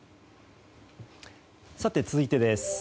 続いてです。